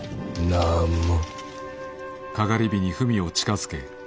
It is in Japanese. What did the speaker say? なんも。